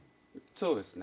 そうですね。